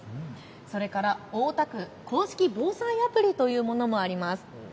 そして大田区公式防災アプリというものもあります。